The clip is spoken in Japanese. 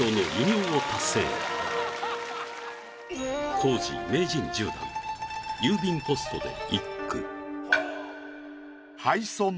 当時名人１０段「郵便ポスト」で一句うん。